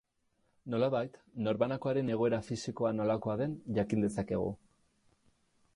Nolabait, norbanakoaren egoera fisikoa nolakoa den jakin dezakegu.